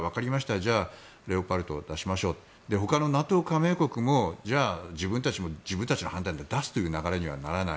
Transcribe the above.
じゃあレオパルトを出しましょうほかのＮＡＴＯ加盟国も自分たちの判断で出すという流れにはならない。